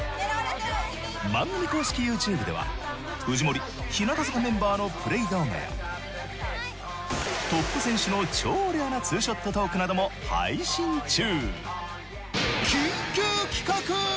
番組公式ＹｏｕＴｕｂｅでは藤森日向坂メンバーのプレイ動画やトップ選手の超レアな２ショットトークなども配信中。